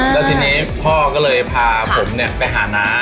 แล้วทีนี้พ่อก็เลยพาผมไปหาน้า